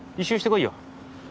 １周してこいよ。